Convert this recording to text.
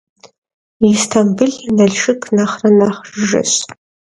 Yistambıl Nalşşık nexhre nexh jjıjeş.